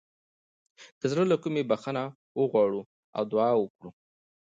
د زړه له کومې بخښنه وغواړو او دعا وکړو.